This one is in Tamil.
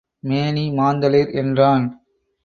மேனி மாந்தளிர் என்றான்.